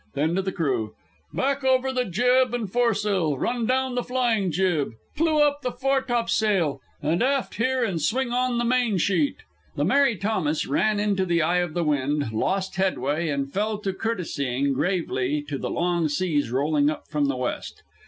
Then to the crew, "Back over the jib and foresail! Run down the flying jib! Clew up the foretopsail! And aft here and swing on to the main sheet!" The Mary Thomas ran into the eye of the wind, lost headway, and fell to courtesying gravely to the long seas rolling up from the west.